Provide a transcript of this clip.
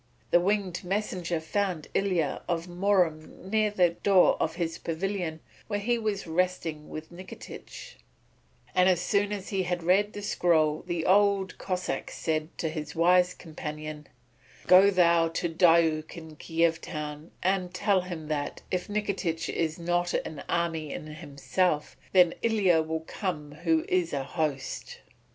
The winged messenger found Ilya of Murom near the door of his pavilion where he was resting with Nikitich, and as soon as he had read the scroll the Old Cossáck said to his wise companion: "Go thou to Diuk in Kiev town and tell him that, if Nikitich is not an army in himself, then Ilya will come who is a host."